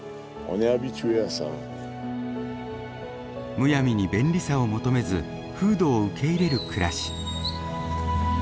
むやみに便利さを求めず風土を受け入れる暮らし。